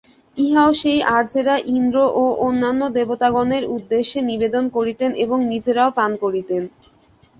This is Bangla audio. ইহাও সেই আর্যেরা ইন্দ্র ও অন্যান্য দেবতাগণের উদ্দেশে নিবেদন করিতেন এবং নিজেরাও পান করিতেন।